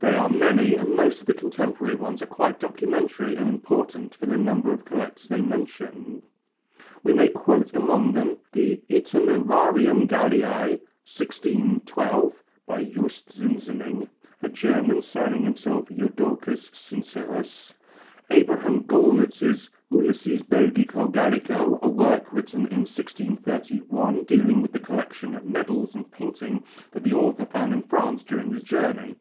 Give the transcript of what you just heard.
They are many, and most of the contemporary ones are quite documentary and important for the number of collectors they mention. We may quote among them the Itinerarium Galliæ, 1612, by Just Zinzerling, a German signing himself Jodocus Sincerus, Abraham Golnitz's Ulysses Belgico Gallico, a work written in 1631 dealing with the collections of medals and painting that the author found in France during his journey.